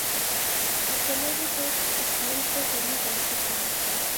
مکمل رپورٹ اس لنک پر پڑھی جا سکتی ہے ۔